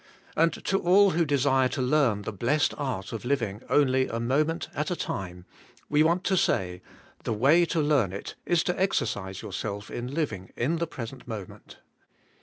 And to all who desire to learn the blessed art of living only a moment at a time, we want to say, The way to learn it is to exercise yourself in living in the present moment.